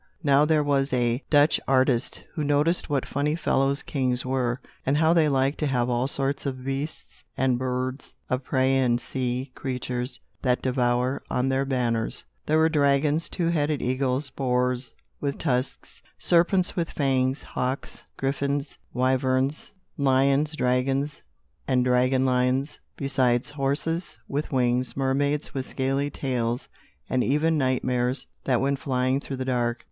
Now there was a Dutch artist, who noticed what funny fellows kings were, and how they liked to have all sorts of beasts and birds of prey, and sea creatures that devour, on their banners. There were dragons, two headed eagles, boars with tusks, serpents with fangs, hawks, griffins, wyverns, lions, dragons and dragon lions, besides horses with wings, mermaids with scaly tails, and even night mares that went flying through the dark.